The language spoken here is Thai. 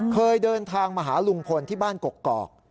เคยเดินทางมาหาลุงพลที่บ้านกกอก